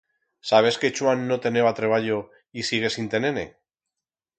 Sabes que Chuan no teneba treballo y sigue sin tener-ne?